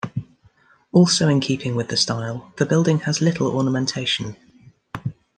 Also in keeping with the style, the building has little ornamentation.